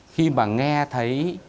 khi mà nghe thấy